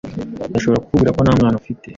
Ndashobora kukubwira ko nta mwana ufite